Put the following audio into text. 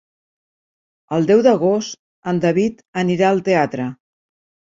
El deu d'agost en David anirà al teatre.